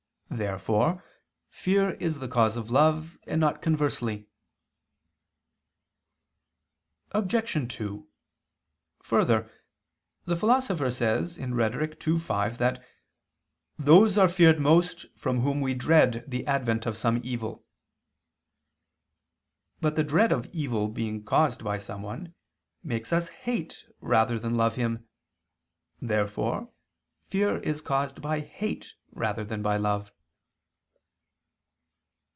Therefore fear is the cause of love, and not conversely. Obj. 2: Further, the Philosopher says (Rhet. ii, 5) that "those are feared most from whom we dread the advent of some evil." But the dread of evil being caused by someone, makes us hate rather than love him. Therefore fear is caused by hate rather than by love.